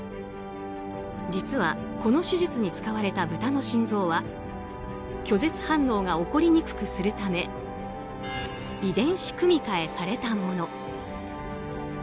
実は、この手術に使われたブタの心臓は拒絶反応が起こりにくくするため遺伝子組み換えされたもの。